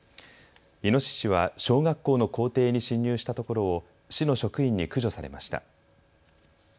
イノシシは小学校の校庭に侵入したところを市の職員に駆除されました。